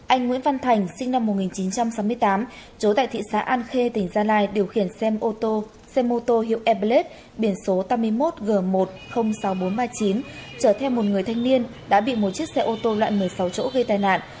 anh nguyễn văn thành sinh năm một nghìn chín trăm sáu mươi tám trú tại thị xã an khê tỉnh gia lai điều khiển xe ô tô xe mô tô hiệu airblade biển số tám mươi một g một trăm linh sáu nghìn bốn trăm ba mươi chín trở theo một người thanh niên đã bị một chiếc xe ô tô loại một mươi sáu chỗ gây tai nạn